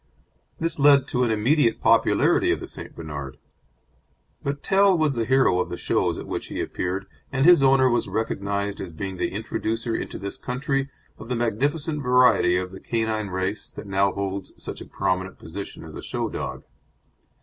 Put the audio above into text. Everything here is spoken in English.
This led to an immediate popularity of the St. Bernard. But Tell was the hero of the shows at which he appeared, and his owner was recognised as being the introducer into this country of the magnificent variety of the canine race that now holds such a prominent position as a show dog.